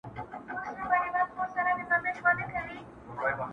ما دي د کوثر په نوم د زهرو جام چښلی دی !